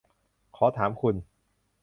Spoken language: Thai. ขอถามคุณ